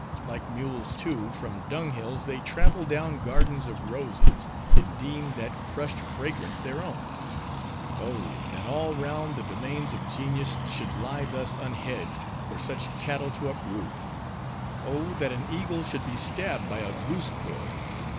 Like mules, too, from dunghills, they trample down gardens of roses: and deem that crushed fragrance their own.—Oh! that all round the domains of genius should lie thus unhedged, for such cattle to uproot! Oh! that an eagle should be stabbed by a goose quill!